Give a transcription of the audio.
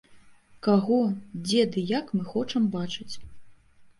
Каго, дзе ды як мы хочам бачыць.